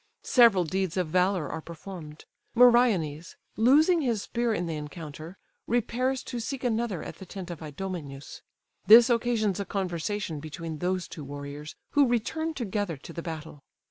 Several deeds of valour are performed; Meriones, losing his spear in the encounter, repairs to seek another at the tent of Idomeneus: this occasions a conversation between those two warriors, who return together to the battle.